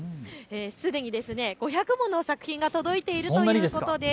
すでに５００もの作品が届いているということです。